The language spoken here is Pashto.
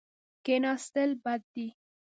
کښېناستل بد دي.